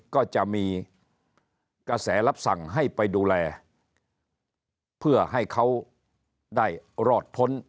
ก็จะมีกระแสรับสั่งให้ไปดูแลเพื่อให้เขาได้รอดพ้น